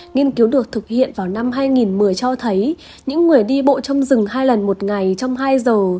nghiên cứu được thực hiện vào năm hai nghìn một mươi cho thấy những người đi bộ trong rừng hai lần một ngày trong hai giờ